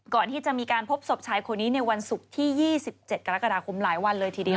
ก่อนที่จะมีการพบศพชายคนนี้ในวันศุกร์ที่๒๗กรกฎาคมหลายวันเลยทีเดียว